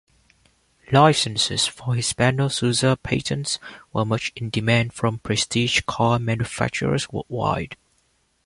Licences for Hispano-Suiza patents were much in demand from prestige car manufacturers world-wide.